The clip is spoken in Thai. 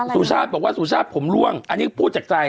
สุชาติบอกว่าสุชาติผมล่วงอันนี้พูดจากใจ